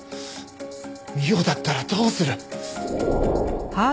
美緒だったらどうする？